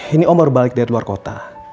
ini om baru balik dari luar kota